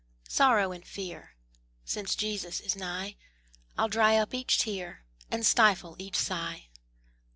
Sorrow and Fear! Since Jesus is nigh, I'll dry up each tear And stifle each sigh.